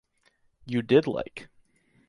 You did like.